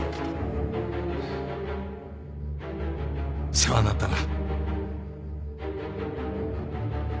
世話になったな。